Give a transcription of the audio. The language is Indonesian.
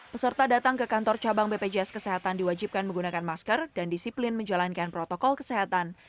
peserta datang ke kantor cabang bpjs kesehatan diwajibkan menggunakan masker dan disiplin menjalankan protokol kesehatan